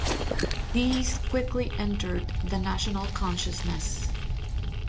These quickly entered the national consciousness.